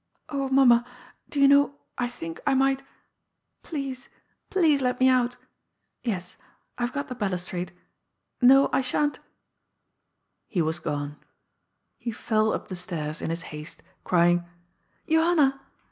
Oh, mamma, do you know I think I might Please, please let me out. Yes ; I have got the balustrade. No, I Bha'n't " ELIAS HEABS THE TRUTH. 71 He was gone. He fell up the stairs in his haste, crying ^Johanna!